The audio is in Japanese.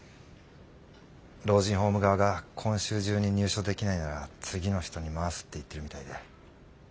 老人ホーム側が今週中に入所できないなら次の人に回すって言ってるみたいで。